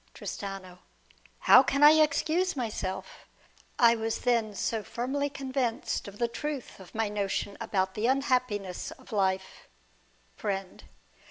Tristano. How can I excuse myself ? I was then so firmly convinced of the truth of my notion about the unhappiness of life. Friend.